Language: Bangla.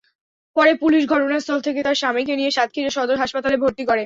পরে পুলিশ ঘটনাস্থল থেকে তাঁর স্বামীকে নিয়ে সাতক্ষীরা সদর হাসপাতালে ভর্তি করে।